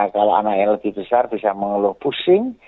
dan kalau anak yang lebih besar bisa mengeluh pusing